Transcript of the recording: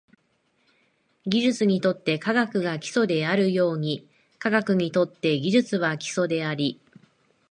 技術にとって科学が基礎であるように、科学にとって技術は基礎であり、